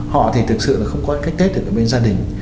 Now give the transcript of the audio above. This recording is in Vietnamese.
họ thì thực sự là không có cách kết được ở bên gia đình